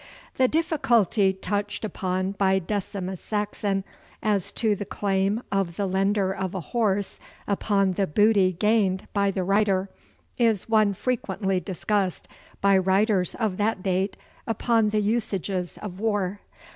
The difficulty touched upon by Decimus Saxon, as to the claim of the lender of a horse upon the booty gained by the rider, is one frequently discussed by writers of that date upon the usages of war.